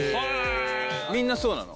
みんなそうなの？